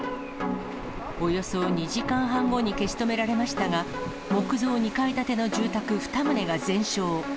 およそ２時間半後に消し止められましたが、木造２階建ての住宅２棟が全焼。